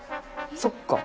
そっか。